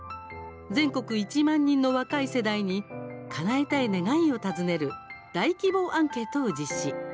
全国１万人の若い世代にかなえたい願いを尋ねる大規模アンケートを実施。